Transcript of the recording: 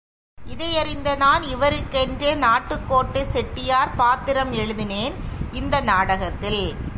இதையறிந்த நான், இவருக்கென்றே நாட்டுக்கோட்டைச் செட்டியார் பாத்திரம் எழுதினேன் இந்த நாடகத்தில்.